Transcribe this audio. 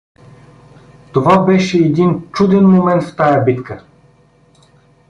Това беше едни чуден момент в тая битка.